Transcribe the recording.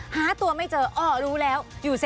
ภาษาอังกฤษ